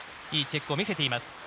いいチェックを見せています。